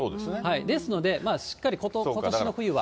ですので、しっかりことしの冬は。